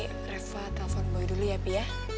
coba nanti reva telfon boy dulu ya pi ya